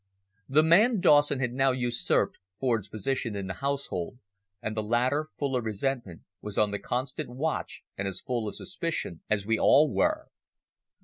The man Dawson had now usurped Ford's position in the household, and the latter, full of resentment, was on the constant watch and as full of suspicion as we all were.